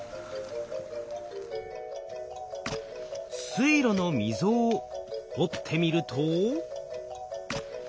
水路の溝を掘ってみると。